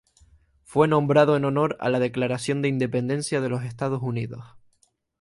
Fue nombrado en honor a la Declaración de Independencia de los Estados Unidos.